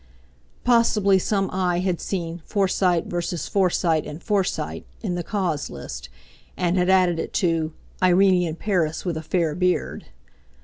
Possibly some eye had seen "Forsyte v. Forsyte and Forsyte," in the cause list; and had added it to "Irene in Paris with a fair beard."